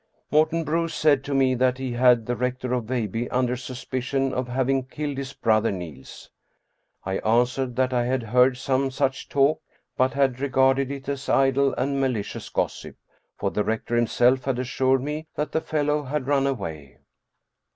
Morten Bruus said to me that he had the Rector of Veilbye under suspicion of having killed his brother Niels. I an swered that I had heard some such talk but had regarded it as idle and malicious gossip, for the rector himself had assured me that the fellow had run away.